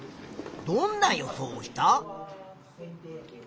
どんな予想をした？